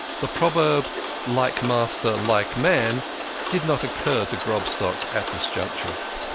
The proverb " Like master like man " did not occur to Grobstock at this juncture.